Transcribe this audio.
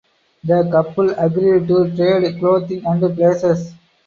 The couple agree to trade clothing and places.